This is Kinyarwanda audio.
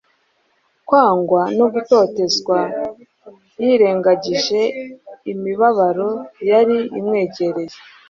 kwangwa no gutotezwa, yirengagije imibabaro yari imwegereye.